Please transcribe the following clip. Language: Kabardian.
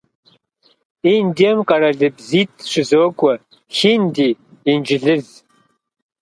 Индием къэралыбзитӀ щызокӀуэ: хинди, инджылыз.